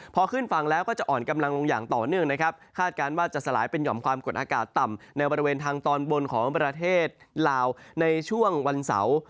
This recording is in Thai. พอขึ้นฝั่งแล้วก็จะอ่อนกำลังลงอย่างต่อเนื่องนะครับคาดการณ์ว่าจะสลายเป็นหอมความกดอากาศต่ำในบริเวณทางตอนบนของประเทศลาวในช่วงวันเสาร์